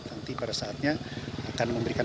nanti pada saatnya akan memberikan